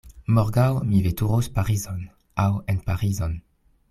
Morgaŭ mi veturos Parizon (aŭ en Parizon).